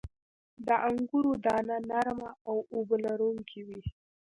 • د انګورو دانه نرمه او اوبه لرونکې وي.